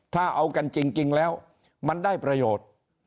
ถ้าเอากันจริงแล้วมันได้ประโยชน์